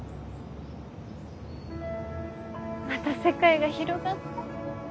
また世界が広がった。